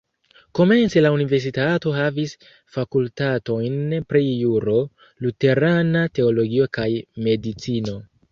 Komence la universitato havis fakultatojn pri juro, luterana teologio kaj medicino.